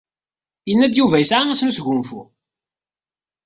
Yenna-d Yuba yesɛa ass n usgnufu.